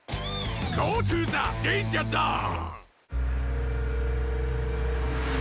ゴートゥザデンジャーゾーン！